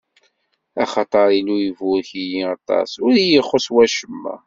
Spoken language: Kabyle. Axaṭer Illu iburek-iyi aṭas, ur yi-ixuṣṣ wacemma.